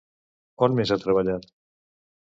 On més ha treballat?